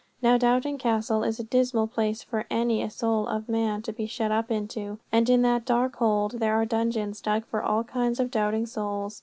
Now, Doubting Castle is a dismal place for any soul of man to be shut up into. And in that dark hold there are dungeons dug for all kinds of doubting souls.